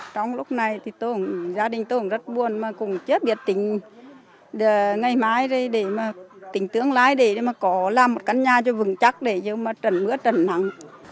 trong lúc này thì gia đình tôi cũng rất buồn mà cũng chết biệt tình ngày mai để mà tình tương lai để mà có làm một căn nhà cho vừng chắc để mà trần mưa trần nắng